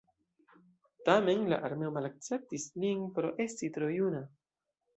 Tamen la armeo malakceptis lin pro esti tro juna.